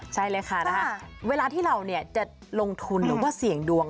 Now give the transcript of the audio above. ใช่เลยค่ะเวลาที่เราจะลงทุนหรือว่าเสี่ยงดวง